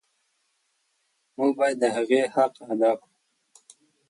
موږ باید د هغې حق ادا کړو.